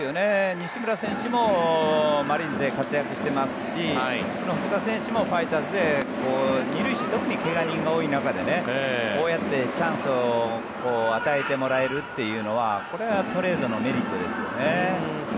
西村選手もマリーンズで活躍していますしこの福田選手もファイターズで２塁手、特に怪我人が多い中でこうやってチャンスを与えてもらえるというのはこれはトレードのメリットですよね。